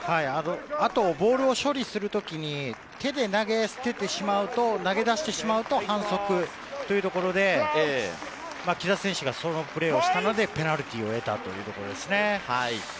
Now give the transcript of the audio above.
ボールを処理するときに、手で投げ出してしまうと反則というところで、木田選手がそのプレーをしたのでペナルティーを得たということですね。